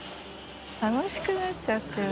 楽しくなっちゃってる。